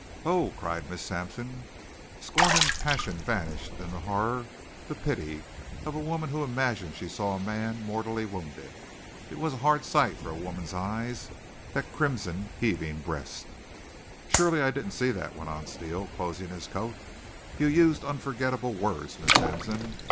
"Oh!" cried Miss Sampson. Scorn and passion vanished in the horror, the pity, of a woman who imagined she saw a man mortally wounded. It was a hard sight for a woman's eyes, that crimson, heaving breast. "Surely I didn't see that," went on Steele, closing his coat. "You used unforgettable words, Miss Sampson.